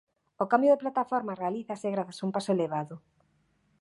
O cambio de plataforma realízase grazas a un paso elevado.